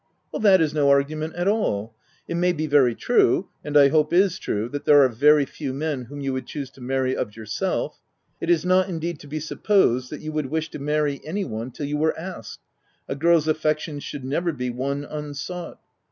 " That is no argument at all. It may be very 2/2 THE TENANT true— and I hope is true, that there are very few men whom you would choose to marry, of your self—It is not, indeed, to be supposed that you would wish to marry any one, till you were asked : a girl's affections should never be won unsought.